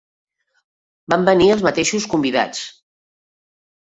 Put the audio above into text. Van venir els mateixos convidats